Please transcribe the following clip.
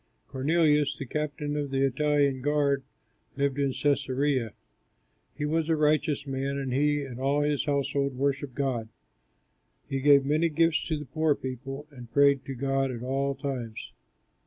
Cornelius, the captain of the Italian guard, lived in Cæsarea. He was a righteous man and he and all his household worshipped God. He gave many gifts to the poor people, and prayed to God at all times.